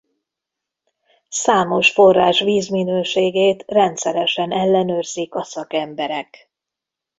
Számos forrás vízminőségét rendszeresen ellenőrzik a szakemberek.